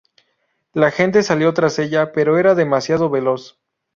La gente salió tras ella, pero era demasiado veloz.